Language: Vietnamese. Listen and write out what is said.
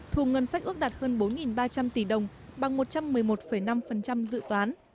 thu ngân sách ước đạt hơn bốn ba trăm linh tỷ đồng bằng một trăm một mươi một năm dự toán